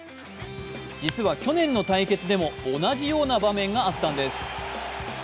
実は去年の対決でも同じような場面があったんです。